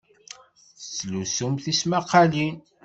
Tettlusum tismaqqalin?